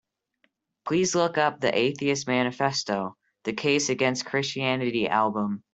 Please look up the Atheist Manifesto: The Case Against Christianity album.